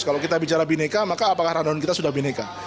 kalau kita bicara bineka maka apakah rundown kita sudah bineka